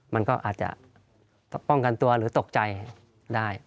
มันก็อาจจะป้องกันตัวหรือตกใจได้